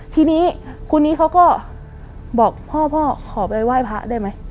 ทีนี้คุณนี้เขาก็บอกพ่อพ่อขอไปไหว้พระได้ไหม